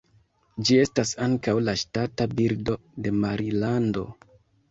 Ĝi estas ankaŭ la ŝtata birdo de Marilando.